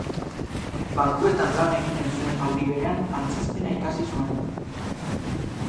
Bankuetan lan egiten zuen aldi berean antzezpena ikasi zuen.